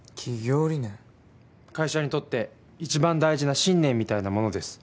会社にとって一番大事な信念みたいなものです。